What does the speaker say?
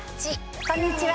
こんにちは。